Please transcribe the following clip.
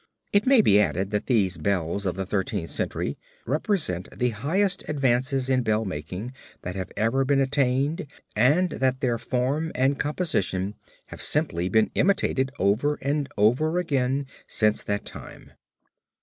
It may be added that these bells of the Thirteenth Century represent the highest advances in bell making that have ever been attained and that their form and composition have simply been imitated over and over again since that time.